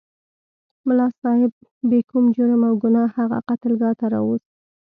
ملا صاحب بې کوم جرم او ګناه هغه قتلګاه ته راوست.